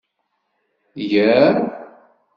Yya!